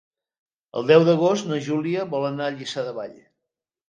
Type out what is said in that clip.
El deu d'agost na Júlia vol anar a Lliçà de Vall.